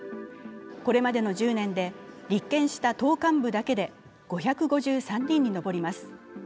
これまでの１０年で立件した党幹部だけで５５３人に上ります。